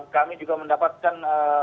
kami juga mendapatkan